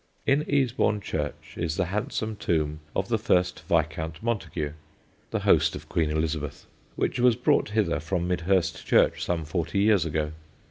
In Easebourne church is the handsome tomb of the first Viscount Montagu (the host of Queen Elizabeth), which was brought hither from Midhurst church some forty years ago.